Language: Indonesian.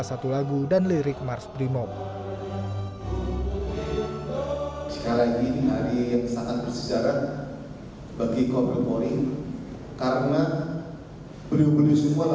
jadi ada sembilan puluh satu pemenang simbol simbol yang ada di korps brimob dari mulai baju